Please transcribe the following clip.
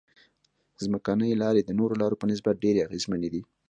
ځمکنۍ لارې د نورو لارو په نسبت ډېرې اغیزمنې دي